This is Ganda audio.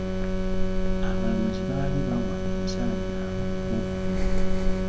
Abalamuzi baali bawa ensala yaabwe mu Gwokubiri.